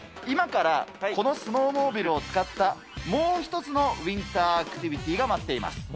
今から、このスノーモービルを使った、もう一つのウインターアクティビティーが待っています。